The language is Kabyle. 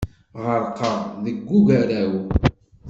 Ɣerqeɣ deg ugaraw.